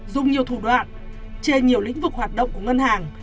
dùng nhiều thủ đoạn trên nhiều lĩnh vực hoạt động của ngân hàng